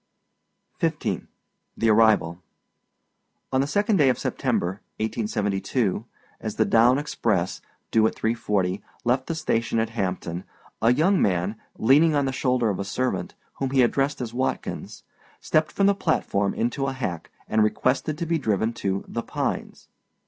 F. XV. THE ARRIVAL. On the second day of September, 1872, as the down express, due at 3.40, left the station at Hampton, a young man, leaning on the shoulder of a servant, whom he addressed as Watkins, stepped from the platform into a hack, and requested to be driven to âThe Pines.